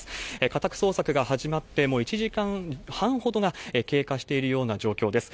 家宅捜索が始まって、もう１時間半ほどが経過しているような状況です。